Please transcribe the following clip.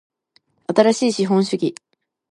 新しい資本主義